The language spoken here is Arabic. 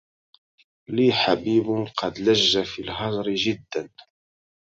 لي حبيب قد لج في الهجر جدا